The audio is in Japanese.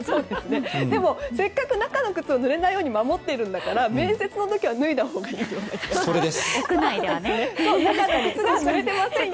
でも、せっかく中の靴をぬれないようにしているんだから面接の時は脱いだほうがいいと思います。